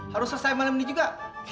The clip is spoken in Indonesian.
harus selesai malam ini juga